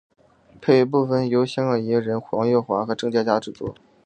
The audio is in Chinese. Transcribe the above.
配乐部分由香港音乐人黄英华和郑嘉嘉制作。